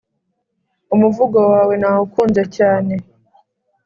umuvugo wawe nawukunze cyane